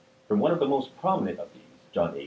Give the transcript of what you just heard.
From one of the most prominent of these, John A.